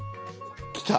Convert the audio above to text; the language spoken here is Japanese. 来た！